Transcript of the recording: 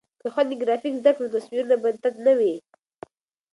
که خویندې ګرافیک زده کړي نو تصویرونه به تت نه وي.